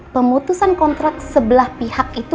pemutusan kontrak sebelah pihak itu